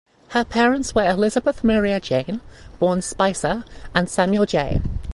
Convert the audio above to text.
Her parents were Elizabeth Maria Jane (born Spicer) and Samuel Jay.